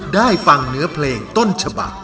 ได้ฟังเนื้อเพลงต้นฉบัก